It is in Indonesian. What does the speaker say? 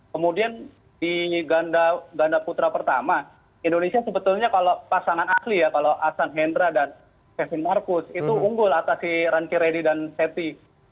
kemudian di ganda putra pertama indonesia sebetulnya kalau pasangan asli ya kalau asan hendra dan kevin marcus itu unggul atas si ranki reddy dan setty